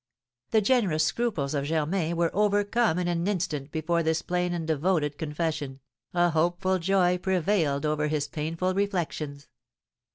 The generous scruples of Germain were overcome in an instant before this plain and devoted confession, a hopeful joy prevailed over his painful reflections.